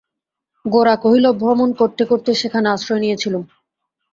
গোরা কহিল, ভ্রমণ করতে করতে সেখানে আশ্রয় নিয়েছিলুম।